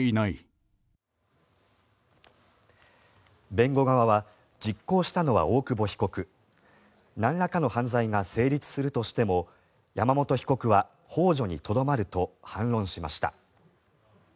弁護側は実行したのは大久保被告なんらかの犯罪が成立するとしても山本被告はほう助にとどまると反論しました。